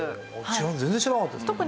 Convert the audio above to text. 全然知らなかったですね。